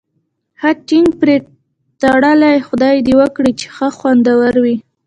ښه ټینګ پرې تړلی، خدای دې وکړي چې ښه خوندور وي.